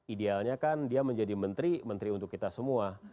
idealnya kan dia menjadi menteri menteri untuk kita semua